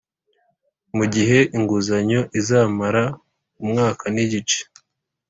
mu gihe inguzanyo izamara umwaka nigice